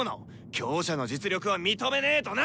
強者の実力は認めねーとな！